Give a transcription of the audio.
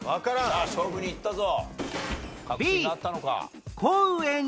さあ勝負にいったぞ。